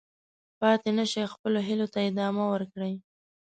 پاتې نه شئ، خپلو هیلو ته ادامه ورکړئ.